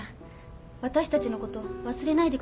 わたしたちのこと忘れないでくださいね。